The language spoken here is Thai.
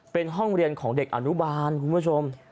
เป็นห้องเรียนของเด็กอนุบาลคุณผู้ชม